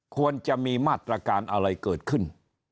ควรจะมีมาตรการอะไรเกิดขึ้น